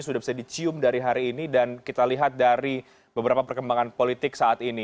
sudah bisa dicium dari hari ini dan kita lihat dari beberapa perkembangan politik saat ini